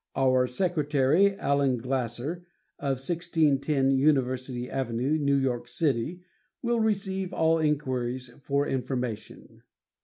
Our secretary, Allen Glasser, of 1610 University Ave., New York City, will receive all inquiries for information.